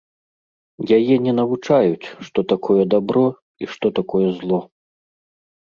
Яе не навучаюць, што такое дабро і што такое зло.